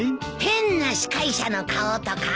変な司会者の顔とか？